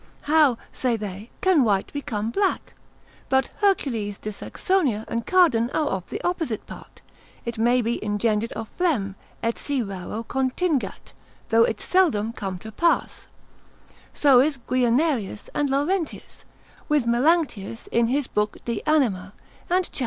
How (say they) can white become black? But Hercules de Saxonia, lib. post. de mela. c. 8, and Cardan are of the opposite part (it may be engendered of phlegm, etsi raro contingat, though it seldom come to pass), so is Guianerius and Laurentius, c. 1. with Melanct. in his book de Anima, and Chap.